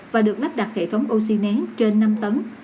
và được lắp đặt hệ thống oxy nén trên năm tấn